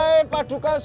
ya tak apa